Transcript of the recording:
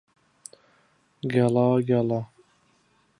گەڵا گەڵا